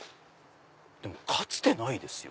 でも「かつてない」ですよ。